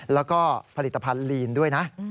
แล้วก็ผลิตภัณฑ์ลีนด้วยนะ